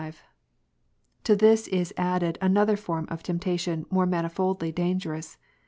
To this is added, another form of temptation more manifoldly dangerous.